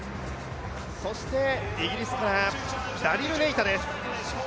そしてイギリスからダリル・ネイタです。